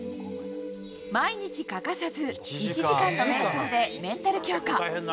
毎日欠かさず、１時間のめい想でメンタル強化。